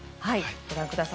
ご覧ください。